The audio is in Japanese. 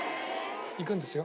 行くんですよ？